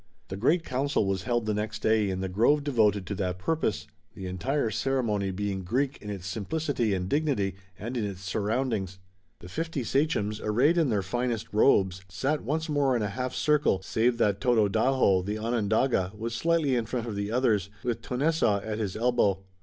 The great council was held the next day in the grove devoted to that purpose, the entire ceremony being Greek in its simplicity and dignity, and in its surroundings. The fifty sachems, arrayed in their finest robes, sat once more in a half circle, save that Tododaho, the Onondaga, was slightly in front of the others, with Tonessaah at his elbow.